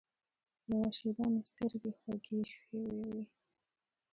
یوه شېبه مې سترګې خوږې شوې وې.